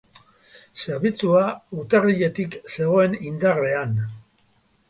Zerbitzua urtarriletik zegoen indarrean.